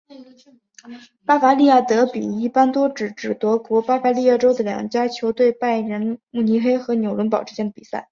巴伐利亚德比一般多指指德国巴伐利亚州的两家球队拜仁慕尼黑和纽伦堡之间的比赛。